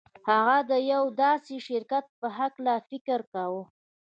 هغه د يوه داسې شرکت په هکله فکر کاوه.